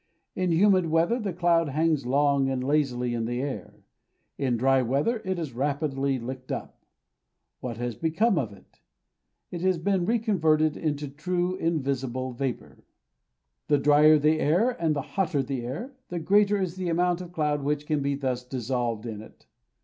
In humid weather the cloud hangs long and lazily in the air; in dry weather it is rapidly licked up. What has become of it? It has been reconverted into true invisible vapour. The drier the air, and the hotter the air, the greater is the amount of cloud which can be thus dissolved in it.